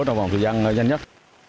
trong vòng thời gian nhanh nhất